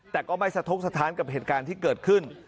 แต่ก็ไม่สะทกสถานกับเหตุการณ์ที่เกิดขึ้น